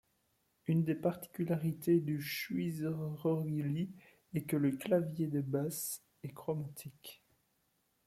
Une des particularités du schwyzerörgeli est que le clavier des basses est chromatique.